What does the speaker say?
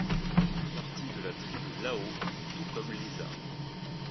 Il fait partie de la tribu Lhao, tout comme Lisa.